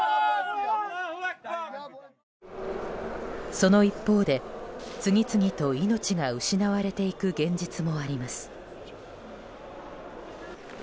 その一方で次々と命が失われていく現実もあります。